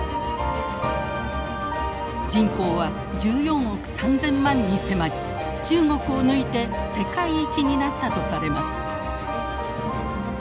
人口は１４億３，０００万に迫り中国を抜いて世界一になったとされます。